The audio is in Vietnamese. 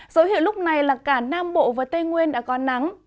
dấu hiệu lúc này là cả nam bộ và tây nguyên đã có nắng